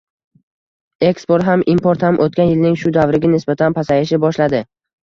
Eksport ham, import ham o'tgan yilning shu davriga nisbatan pasayishni boshladi